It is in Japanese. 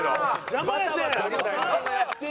邪魔やって。